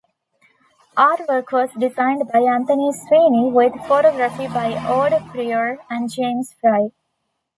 Artwork was designed by Anthony Sweeney with photography by Aude Prieur and James Fry.